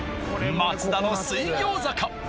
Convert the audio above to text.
松田の水餃子か？